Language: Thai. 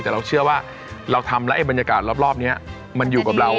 แต่เราเชื่อว่าเราทำแล้วไอ้บรรยากาศรอบนี้มันอยู่กับเรา